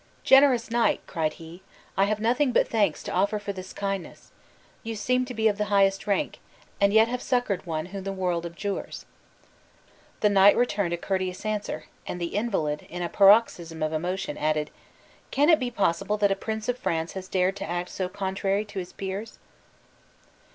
"Generous knight!" cried he, "I have nothing but thanks to offer for this kindness. You seem to be of the highest rank, and yet have succored one who the world abjures!" The knight returned a courteous answer, and the invalid, in a paroxysm of emotion, added: "Can it be possible that a prince of France has dared to act contrary to his peers?"